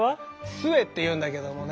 壽衛っていうんだけどもね。